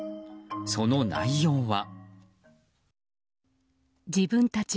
その内容は。